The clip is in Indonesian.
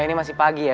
ya ini masih pagi ya